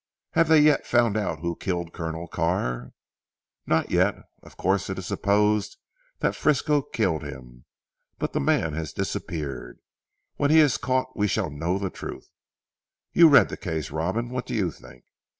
"Have they yet found out who killed Colonel Carr?" "Not yet. Of course it is supposed that Frisco killed him; but the man has disappeared. When he is caught we shall know the truth. You read the case Robin. What do you think?"